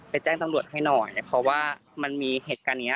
แจ้งตำรวจให้หน่อยเพราะว่ามันมีเหตุการณ์เนี้ย